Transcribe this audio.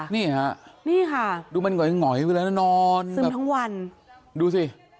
นี่ค่ะนี่ค่ะดูมันกว่ายังห่อยเวลานั้นนอนซึมทั้งวันดูสิ